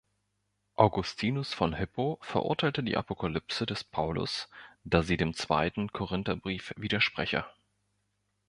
Augustinus von Hippo verurteilte die Apokalypse des Paulus, da sie dem zweiten Korintherbrief widerspreche.